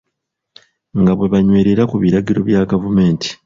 Nga bwe banywerera ku biragiro bya gavumenti.